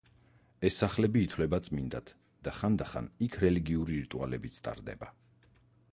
ეს სახლები ითვლება წმინდად და ხანდახან იქ რელიგიური რიტუალებიც ტარდება.